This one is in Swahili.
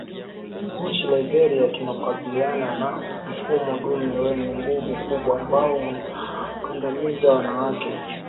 Nchini Liberia tunakabiliana na mfumo dume wenye nguvu kubwa ambao unawakandamiza wanawake